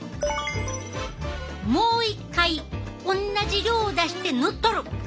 もう一回おんなじ量を出して塗っとる。